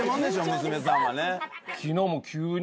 娘さんはね。